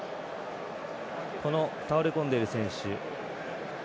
倒れ込んでいる選手